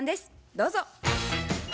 どうぞ。